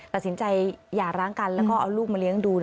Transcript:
ตัดสินใจหย่าร้างกันแล้วก็เอาลูกมาเลี้ยงดู